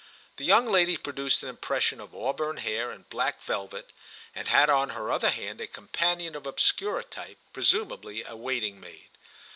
The young lady produced an impression of auburn hair and black velvet, and had on her other hand a companion of obscurer type, presumably a waiting maid.